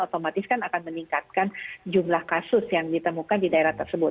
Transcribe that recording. otomatis kan akan meningkatkan jumlah kasus yang ditemukan di daerah tersebut